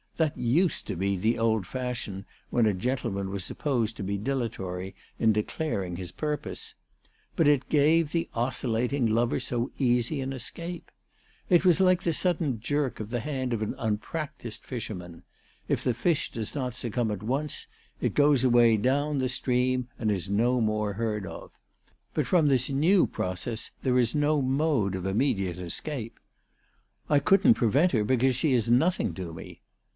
That used to be the old fashion when a gentleman was supposed to be dilatory in de claring his purpose. But it gave the oscillating lover so easy an escape ! It was like the sudden jerk of the hand of the unpractised fisherman : if the fish does not succumb at once it goes away down the stream and is no more heard of. But from this new process there is no mode of immediate escape. " I couldn't prevent her because she is nothing to me."